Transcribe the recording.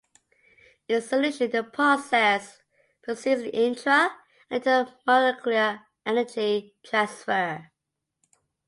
In solution, the process proceeds with intra- and intermolecular energy transfer.